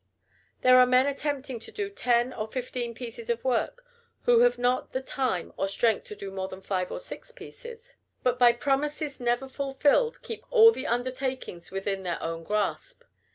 There are men attempting to do ten or fifteen pieces of work who have not the time or strength to do more than five or six pieces; but by promises never fulfilled keep all the undertakings within their own grasp.